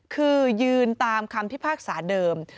คือยืนตามคำพิพากษาเดิม